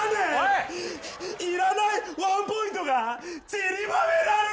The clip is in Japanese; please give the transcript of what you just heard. いらないワンポイントがちりばめられてる。